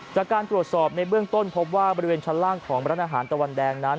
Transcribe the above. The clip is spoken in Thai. จากการตรวจสอบในเบื้องต้นพบว่าบริเวณชั้นล่างของร้านอาหารตะวันแดงนั้น